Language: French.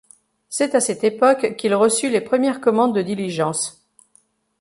C'est à cette époque qu'il reçut les premières commandes de diligences.